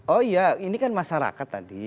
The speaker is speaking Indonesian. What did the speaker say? oh iya ini kan masyarakat tadi